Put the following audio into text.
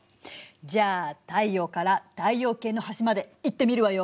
じゃあ太陽から太陽系の端まで行ってみるわよ！